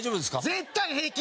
絶対平気！